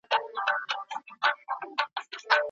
مرغۍ د سړي په سپینه ږیره او جامه تېره ووتله.